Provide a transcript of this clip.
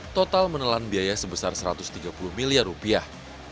total menelan biaya sebesar satu ratus tiga puluh miliar rupiah